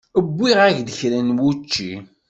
Uwiɣ-ak-d kra n wučči.